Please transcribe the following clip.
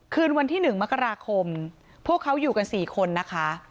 คืนวันที่๑มกราคมพวกเขาอยู่กัน๔คนนะคะ